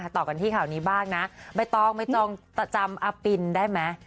ต่อกันที่ข่าวนี้บ้างนะใบตองใบตองจำอาปินได้ไหม